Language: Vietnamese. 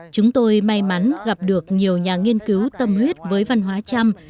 chúng tôi may mắn gặp được nhiều nhà nghiên cứu tâm huyết với văn hóa trăm